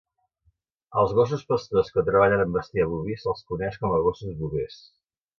Als gossos pastors que treballen amb bestiar boví se'ls coneix com a gossos bovers.